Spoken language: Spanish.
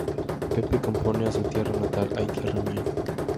Pepe compone a su tierra natal "¡Ay Tierra Mía!